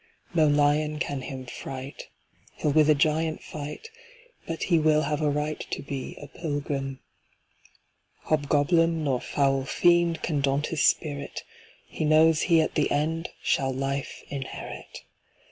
No lion can him fright; He'll with a giant fight, But he will have a right To be a pilgrim. "Hobgoblin nor foul fiend Can daunt his spirit; He knows he at the end Shall life inherit.